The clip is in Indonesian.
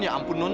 ya ampun non